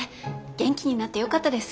元気になってよかったです。